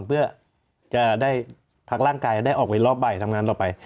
เพื่อจะได้พักร่างกายได้ออกไปรอบบ่ายทำงานต่อไป